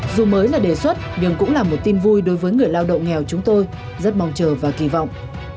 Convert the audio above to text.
dù mới là đề xuất nhưng cũng là một tin vui đối với người lao động nghèo chúng tôi rất mong chờ và kỳ vọng